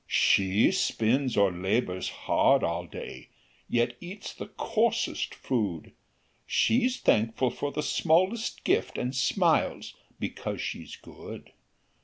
"She spins or labours hard all day, Yet eats the coarsest food; She's thankful for the smallest gift, And smiles, because she's good.